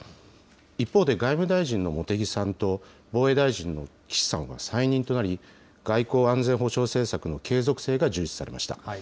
一方で外務大臣の茂木さんと、防衛大臣の岸さんは再任となり、外交・安全保障政策の継続性が重視されました。